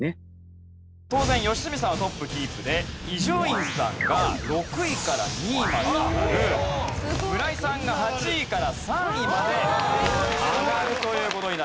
当然良純さんはトップキープで伊集院さんが６位から２位まで村井さんが８位から３位まで上がるという事になります。